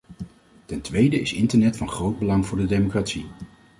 Ten tweede is internet van groot belang voor de democratie.